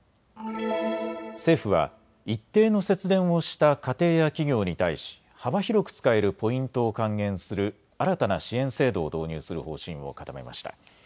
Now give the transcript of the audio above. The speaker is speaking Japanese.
政府は一定の節電をした家庭や企業に対し幅広く使えるポイントを還元する新たな支援制度を導入する方針を固めました。